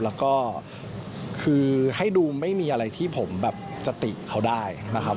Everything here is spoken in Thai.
แล้วก็คือให้ดูไม่มีอะไรที่ผมแบบสติเขาได้นะครับ